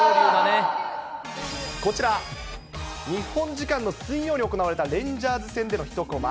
こちら、日本時間の水曜に行われたレンジャーズ戦での一こま。